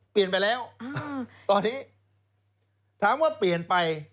เปลี่ยนไปแล้วตอนนี้ถามว่าเปลี่ยนไป